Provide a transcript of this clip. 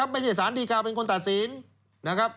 ไม่ใช่สารดีการเป็นคนตัดสิน